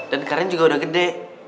dan karin juga udah gede